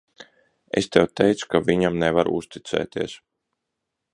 Es tev teicu, ka viņam nevar uzticēties.